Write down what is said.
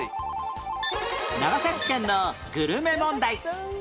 長崎県のグルメ問題